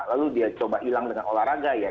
lalu dia coba hilang dengan olahraga ya